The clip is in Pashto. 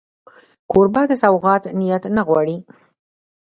کوربه د سوغات نیت نه غواړي.